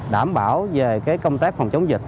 đảm bảo về công tác phòng chống dịch